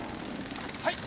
はい？